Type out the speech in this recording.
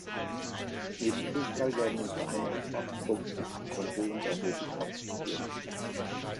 Neben Fußball werden im Verein auch Schach, Boxen, Taekwondo und Aerobic praktiziert.